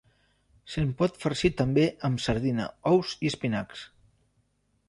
Se'n pot farcir també amb sardina, ous i espinacs.